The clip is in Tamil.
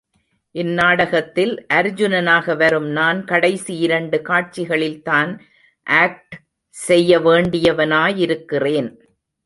இந் நாடகத்தில், அர்ஜுனனாக வரும் நான், கடைசி இரண்டு காட்சிகளில்தான் ஆக்ட் செய்ய வேண்டியவனாயிருக்கிறேன்.